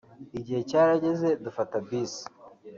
Igihe cyarageze dufata bus